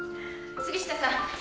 杉下さん